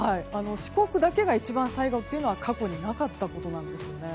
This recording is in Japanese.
四国だけが一番最後というのは過去になかったことなんです。